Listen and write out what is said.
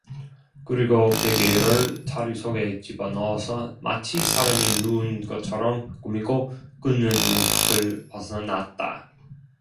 그리고 베개를 자리 속에 집어넣어서 마치 사람이 누운 것처럼 꾸미고 그는 문밖을 벗어났다.